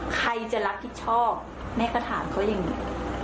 ใครจะรับผิดชอบแม่ก็ถามเขายังไง